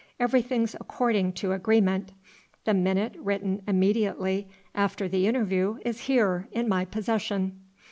Everything's accordin' to agreement. The minute written immed'ately after the intervoo is here in my possession."